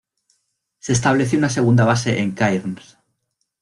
Se estableció una segunda base en Cairns.